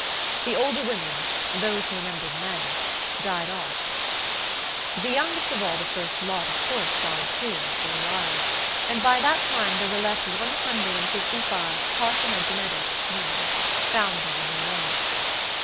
The older women, those who remembered men, died off; the youngest of all the first lot of course died too, after a while, and by that time there were left one hundred and fifty five parthenogenetic women, founding a new race.